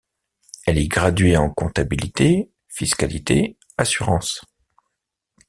Elle est graduée en Comptabilité – Fiscalité - Assurance.